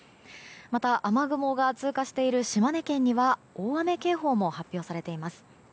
また、雨雲が通過している島根県には大雨警報も発表されています。